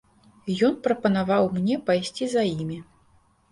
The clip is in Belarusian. Ён прапанаваў мне пайсці за імі.